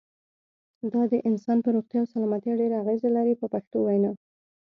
دا د انسان پر روغتیا او سلامتیا ډېره اغیزه لري په پښتو وینا.